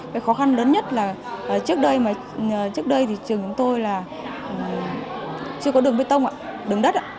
cái khó khăn lớn nhất là trước đây trường chúng tôi chưa có đường bê tông đường đất